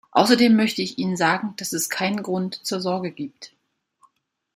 Außerdem möchte ich Ihnen sagen, dass es keinen Grund zur Sorge gibt.